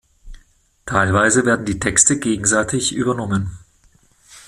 Teilweise werden die Texte gegenseitig übernommen.